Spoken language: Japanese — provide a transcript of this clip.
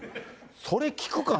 それ、聞くかな？